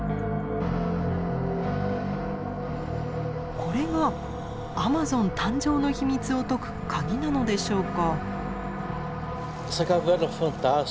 これがアマゾン誕生の秘密を解く鍵なのでしょうか？